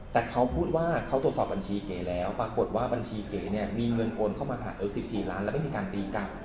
แต่เขาพูดว่าเขาตรวจสอบบัญชีเก๋แล้วปรากฏว่าบัญชีเก๋เนี่ยมีเงินโอนเข้ามาผ่าน๑๔ล้านแล้วไม่มีการตีกลับ